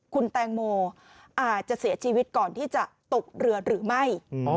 คุณแตงโมอาจจะเสียชีวิตก่อนที่จะตกเรือหรือไม่